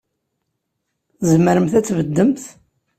Tzemremt ad tbeddemt?